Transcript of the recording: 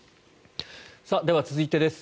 では、続いてです。